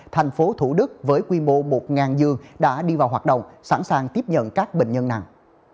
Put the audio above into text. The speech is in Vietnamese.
thành phố thủ đức với quy mô một giường đã đi vào hoạt động sẵn sàng tiếp nhận các bệnh nhân nặng